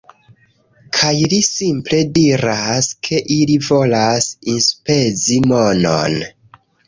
- Kaj li simple diras, ke ili volas enspezi monon